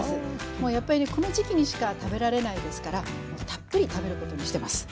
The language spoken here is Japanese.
もうやっぱりこの時期にしか食べられないですからもうたっぷり食べることにしてます。